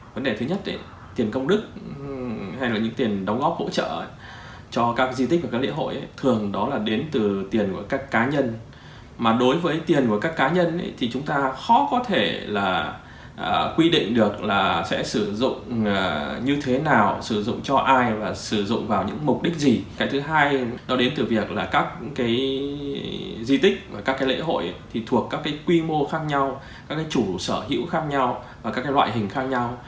các di tích và các lễ hội thuộc các quy mô khác nhau các chủ sở hữu khác nhau và các loại hình khác nhau